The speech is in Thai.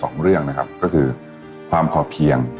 ส่วนความเพียงเราก็ถูกพูดอยู่ตลอดเวลาในเรื่องของความพอเพียง